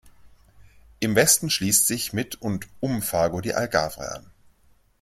Im Westen schließt sich mit und um Faro die Algarve an.